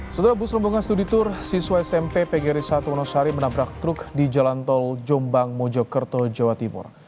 setelah bus rombongan studi tur siswa smp pgri satu wonosari menabrak truk di jalan tol jombang mojokerto jawa timur